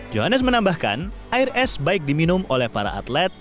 johannes menambahkan air es baik diminum oleh para atlet